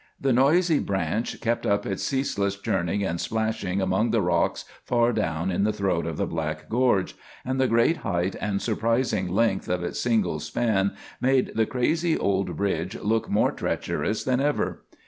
The noisy branch kept up its ceaseless churning and splashing among the rocks far down in the throat of the black gorge, and the great height and surprising length of its single span made the crazy old bridge look more treacherous than ever.